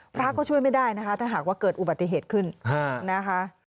พระก็ช่วยไม่ได้นะคะถ้าหากว่าเกิดอุบัติเหตุขึ้นนะคะ